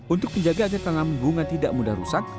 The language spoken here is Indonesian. untuk menjaga agar tanaman bunga tidak mudah rusak